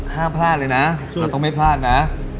ห้ามพลาดเลยนะเราต้องไม่พลาดนะ